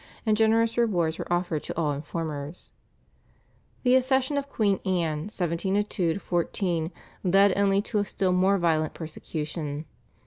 and generous rewards were offered to all informers. The accession of Queen Anne (1702 14) led only to a still more violent persecution.